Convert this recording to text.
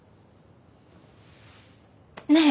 ねえ。